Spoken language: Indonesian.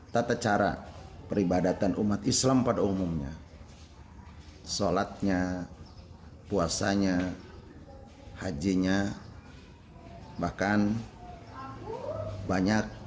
tata cara peribadatan umat islam pada umumnya sholatnya puasanya hajinya bahkan banyak